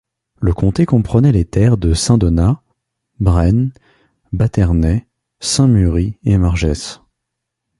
Le comté comprenait les terres de Saint-Donat, Bren, Bathernay, Saint-Mury et Margès.